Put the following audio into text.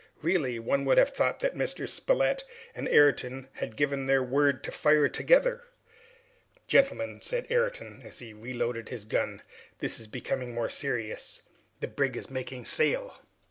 "Really, one would have thought that Mr. Spilett and Ayrton had given the word to fire together!" "Gentlemen," said Ayrton, as he reloaded his gun, "this is becoming more serious. The brig is making sail!"